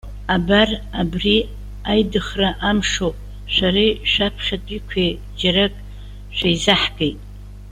Абар, абри, аидыхра амш ауп. Шәареи, шәаԥхьатәиқәеи џьарак шәеизаҳгеит.